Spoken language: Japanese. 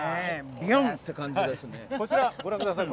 ビュンって感じですね。